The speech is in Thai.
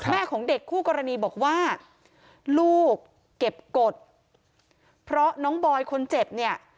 ของเด็กคู่กรณีบอกว่าลูกเก็บกฎเพราะน้องบอยคนเจ็บเนี่ย